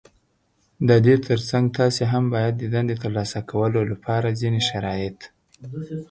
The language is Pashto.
د دې تر څنګ تاسې هم بايد د دندې ترلاسه کولو لپاره ځينې شرايط